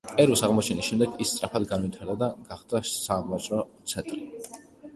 პერუს აღმოჩენის შემდეგ ის სწრაფად განვითარდა და გახდა სავაჭრო ცენტრი.